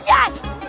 tidak terlalu baik